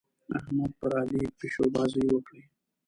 احمد پر علي پيشوبازۍ وکړې.